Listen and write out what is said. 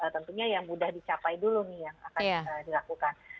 tentunya yang mudah dicapai dulu nih yang akan dilakukan